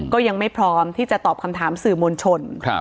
ก็ยังไม่พร้อมที่จะตอบคำถามสื่อมวลชน